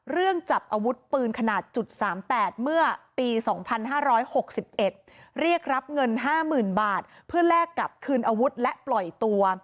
จับอาวุธปืนขนาด๓๘เมื่อปี๒๕๖๑เรียกรับเงิน๕๐๐๐บาทเพื่อแลกกับคืนอาวุธและปล่อยตัว